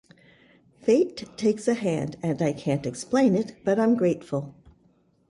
Fate takes a hand, and I can't explain it, but I'm grateful.